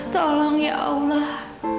tolong ya allah